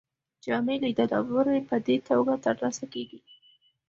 جامع لیدلوری په دې توګه ترلاسه کیږي.